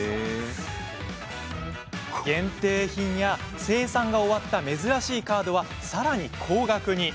限定品や生産が終わった珍しいカードはさらに高額に。